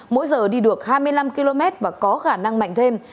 mỗi giờ đi được hai mươi năm km và có khả năng mạnh thêm